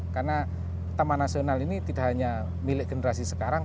karena taman nasional ini tidak hanya milik generasi sekarang